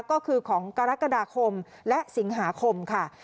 ก็คือของกรกฎาคมและสิงหาคมค่ะ